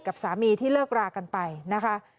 กับสามีที่เลิกรากันไปนะคะ